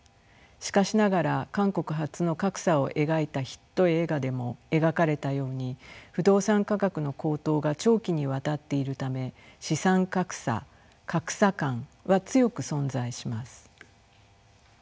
しかしながら韓国発の格差を描いたヒット映画でも描かれたように不動産価格の高騰が長期にわたっているため資産格差格差感は強く存在します。